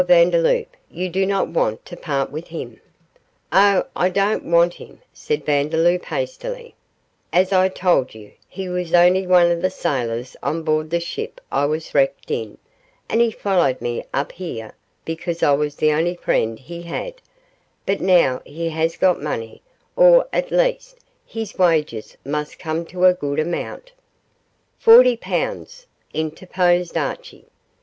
Vandeloup, you do not want to part with him.' 'Oh, I don't want him,' said Vandeloup, hastily; 'as I told you, he was only one of the sailors on board the ship I was wrecked in, and he followed me up here because I was the only friend he had, but now he has got money or, at least, his wages must come to a good amount.' 'Forty pounds,' interposed Archie.